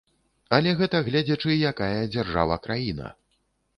Але гэта гледзячы якая дзяржава-краіна.